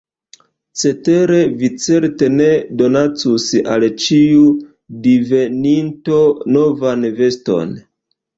Cetere vi certe ne donacus al ĉiu diveninto novan veston.